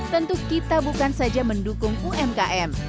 tentu kita bukan saja mendukung umkm